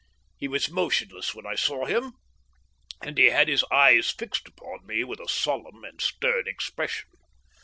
He was motionless when I saw him, and he had his eyes fixed upon me with a solemn and stern expression.